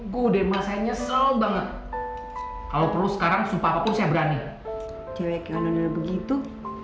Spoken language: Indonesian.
kalau perlu sekarang sumpah aku saya berani begitu